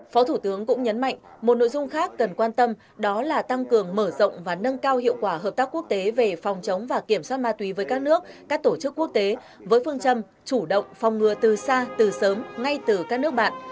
phó thủ tướng cũng nhấn mạnh một nội dung khác cần quan tâm đó là tăng cường mở rộng và nâng cao hiệu quả hợp tác quốc tế về phòng chống và kiểm soát ma túy với các nước các tổ chức quốc tế với phương châm chủ động phòng ngừa từ xa từ sớm ngay từ các nước bạn